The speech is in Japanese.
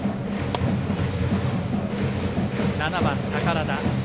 ７番、寳田。